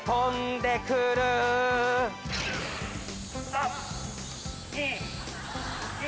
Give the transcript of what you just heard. ３・２・１。